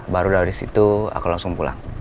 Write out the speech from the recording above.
baru dari situ aku langsung pulang